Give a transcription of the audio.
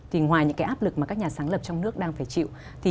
thì ngoài những cái áp lực mà các nhà sáng lập trong nước đang phải chịu